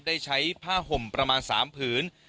ได้ใช้ผ้าห่มประมาณ๓ผืน